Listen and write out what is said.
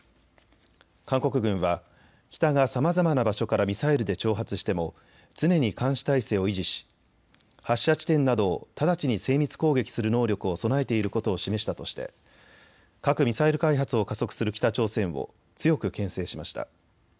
韓国軍は、北がさまざまな場所からミサイルで挑発しても常に監視態勢を維持し発射地点などを直ちに精密攻撃する能力を備えていることを示したとして核・ミサイル開発を加速する北朝鮮を強くけん制しました。